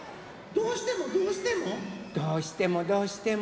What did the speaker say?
どうしてもどうしても？